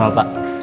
lalu dia ini